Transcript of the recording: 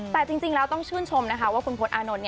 แต่จริงแล้วต้องชื่นชมว่าขุมพลอดอานนท์